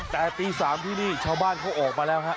แต่ตี๓ที่นี่ชาวบ้านเขาออกมาแล้วฮะ